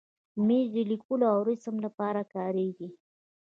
مېز د لیکلو او رسم لپاره کارېږي.